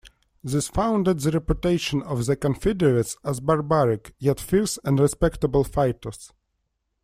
This founded the reputation of the Confederates as barbaric, yet fierce and respectable fighters.